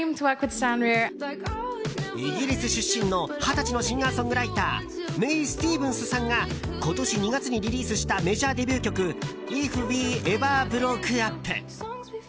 イギリス出身の二十歳のシンガーソングライターメイ・スティーブンスさんが今年２月にリリースしたメジャーデビュー曲「ＩｆＷｅＥｖｅｒＢｒｏｋｅＵｐ」。